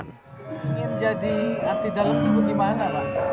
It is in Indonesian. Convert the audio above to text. ingin jadi abdi dalam juga gimana